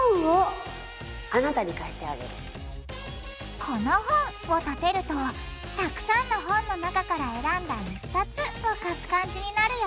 でも「この本」をたてるとたくさんの本の中から選んだ１冊を貸す感じになるよね